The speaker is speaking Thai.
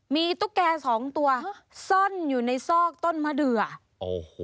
มีตุ๊กแกสองตัวซ่อนอยู่ในซอกต้นมะเดือโอ้โห